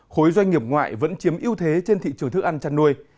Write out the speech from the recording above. khối doanh nghiệp ngoại vẫn chiếm ưu thế trên thị trường thức ăn chăn nuôi